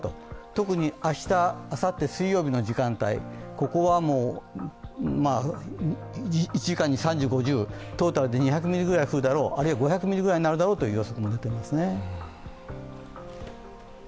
特に、明日、あさって水曜日の時間帯、ここは１時間に３０５０、トータルで２００ミリ、あるいは５００ミリぐらいになるだろうという予測も出ていますね。